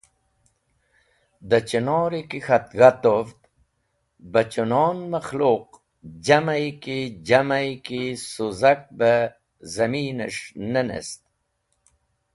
Da chinori ki k̃hat g̃hatovd, bah chunon-e makhluq jam’i ki jam’i ki suzak be zamines̃h ne nest.